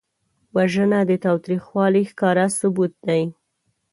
وژنه د تاوتریخوالي ښکاره ثبوت دی